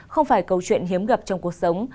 không phải câu chuyện hiếm gặp trong cuộc sống